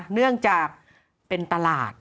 เนื่องจากเป็นตลาด